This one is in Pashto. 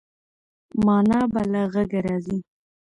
مانا به له غږه راځي.